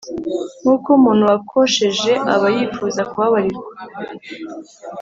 Nk’uko umuntu wakosheje aba yifuza kubabarirwa